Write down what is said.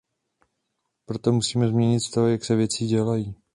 Proto musíme změnit to, jak se věci dějí.